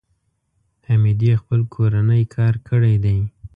حمیدې خپل کورنی کار کړی دی.